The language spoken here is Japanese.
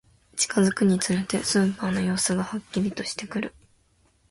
近づくにつれて、スーパーの様子がはっきりとしてくる